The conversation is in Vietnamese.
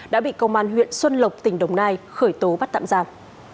đã bị công an huyện xuân lộc tỉnh đồng nai khởi tố bắt tạm giam